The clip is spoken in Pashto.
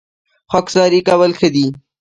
خاکساري کول ښه دي